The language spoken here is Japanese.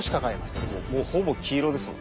もうほぼ黄色ですもん。